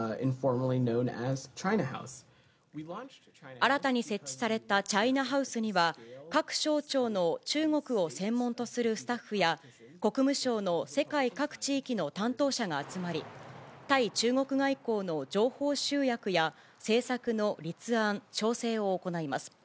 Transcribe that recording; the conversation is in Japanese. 新たに設置されたチャイナハウスには、各省庁の中国を専門とするスタッフや、国務省の世界各地域の担当者が集まり、対中国外交の情報集約や政策の立案・調整を行います。